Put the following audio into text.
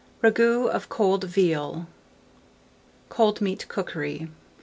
RAGOUT OF COLD VEAL (Cold Meat Cookery).